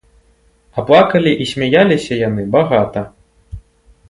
А плакалі і смяяліся яны багата.